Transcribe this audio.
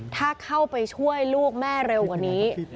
ถ้าเข้าไปช่วยลูกแม่เร็วกว่านี้